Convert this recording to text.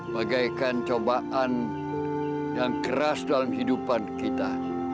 bagaikan cobaan yang keras dalam kehidupan kita